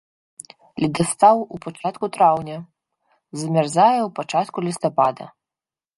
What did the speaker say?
Ледастаў у пачатку траўня, замярзае ў пачатку лістапада.